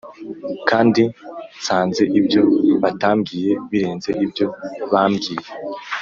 kandi nsanze ibyo batambwiye birenze ibyo bambwiye